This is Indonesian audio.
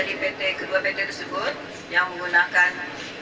terhadap produk sirup obat dari kedua pt tersebut yang menggunakan